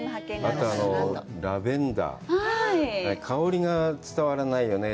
あと、ラベンダー、香りが伝わらないよね。